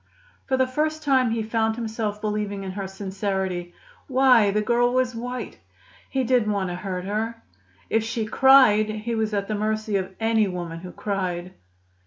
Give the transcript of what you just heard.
For the first time, he found himself believing in her sincerity. Why, the girl was white. He didn't want to hurt her. If she cried he was at the mercy of any woman who cried.